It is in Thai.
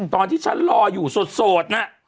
ตอนที่ฉันรออยู่โสดน่ะ